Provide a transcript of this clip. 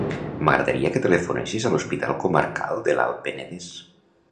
M'agradaria que telefonessis a l'Hospital Comarcal de l'Alt Penedès.